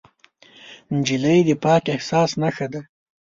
نجلۍ د پاک احساس نښه ده.